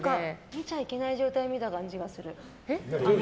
見ちゃいけない状態を見た気がする。